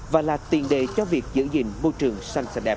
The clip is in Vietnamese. và là tiền đề cho việc giữ gìn môi trường xanh sạch đẹp